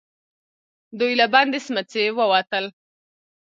دوئ له بندې سمڅې ووتل.